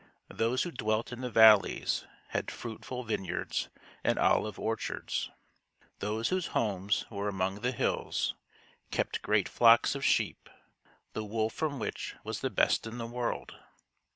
Those who dwelt in the valleys had fruitful vineyards and olive orchards. Those whose homes were among the hills kept great flocks of sheep, the wool from which was the best in the world.